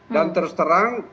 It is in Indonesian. dan terus terang